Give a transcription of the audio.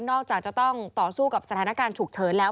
จากจะต้องต่อสู้กับสถานการณ์ฉุกเฉินแล้ว